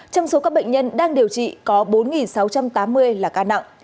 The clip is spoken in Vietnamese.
trong số các bệnh nhân đang điều trị có bốn sáu trăm tám mươi